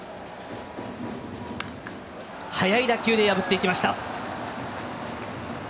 速い打球で破っていきました！